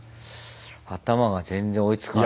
頭が全然追いつかない。